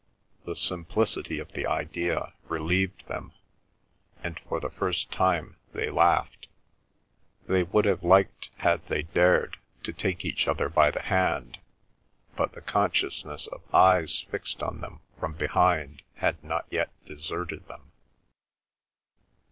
The simplicity of the idea relieved them, and for the first time they laughed. They would have liked had they dared to take each other by the hand, but the consciousness of eyes fixed on them from behind had not yet deserted them.